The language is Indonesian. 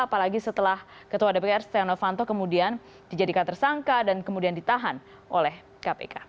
apalagi setelah ketua dpr setia novanto kemudian dijadikan tersangka dan kemudian ditahan oleh kpk